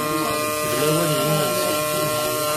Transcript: D lawan n yimensi.